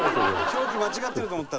表記間違ってると思ったんだ。